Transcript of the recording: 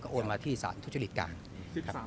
โอะนมาที่สนธุรกิจกราฮิล